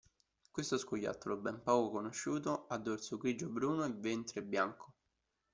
Questo scoiattolo, ben poco conosciuto, ha dorso grigio-bruno e ventre bianco.